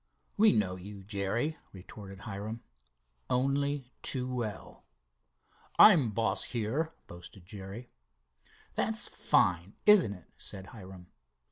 "We know you, Jerry," retorted Hiram, "only too well." "I'm boss here," boasted Jerry. "That's fine, isn't it?" said Hiram.